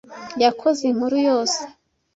Yakoze inkuru yose.